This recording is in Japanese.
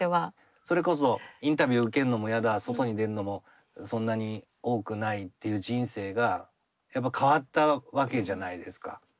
それこそインタビュー受けんのも嫌だ外に出るのもそんなに多くないっていう人生がやっぱ変わったわけじゃないですか。